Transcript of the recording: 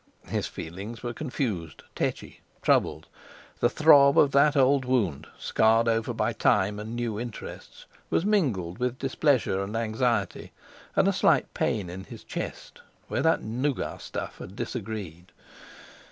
His feelings were confused, tetchy, troubled. The throb of that old wound, scarred over by Time and new interests, was mingled with displeasure and anxiety, and a slight pain in his chest where that nougat stuff had disagreed.